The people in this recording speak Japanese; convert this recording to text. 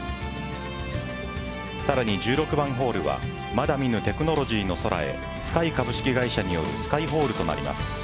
さらに１６番ホールはまだ見ぬテクノロジーの空へＳｋｙ株式会社によるＳｋｙホールとなります。